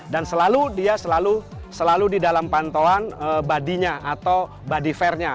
dan selalu dia selalu di dalam pantauan body nya atau body fair nya